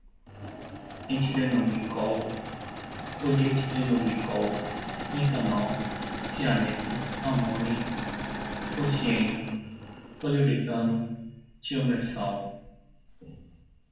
etilenoglicol, polietilenoglicol, metanol, cianeto, amônia, fosgênio, poliuretano, tiomersal